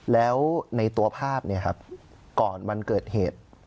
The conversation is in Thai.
แล้วในตัวภาพก่อนวันเกิดเหตุ